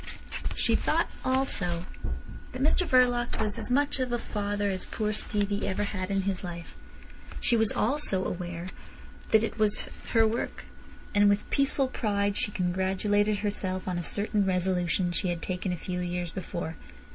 She thought also that Mr Verloc was as much of a father as poor Stevie ever had in his life. She was aware also that it was her work. And with peaceful pride she congratulated herself on a certain resolution she had taken a few years before.